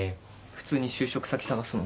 普通に就職先探すの？